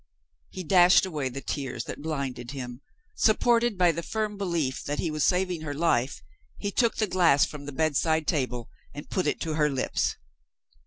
He dashed away the tears that blinded him. Supported by the firm belief that he was saving her life, he took the glass from the bedside table and put it to her lips.